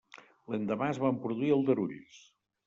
L'endemà es van produir aldarulls.